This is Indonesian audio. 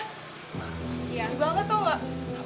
terus dia nyamperin kita kita lari lah